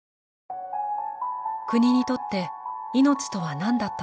国にとって命とはなんだったのか？